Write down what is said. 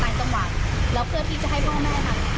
ก็อะที่เหมือนให้เลิกแต่ผู้ชายคนอื่นมันมายังไงบ้าง